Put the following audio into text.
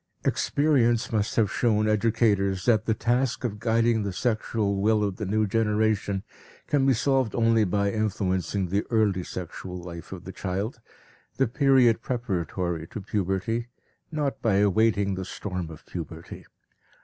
Experience must have shown educators that the task of guiding the sexual will of the new generation can be solved only by influencing the early sexual life of the child, the period preparatory to puberty, not by awaiting the storm of puberty.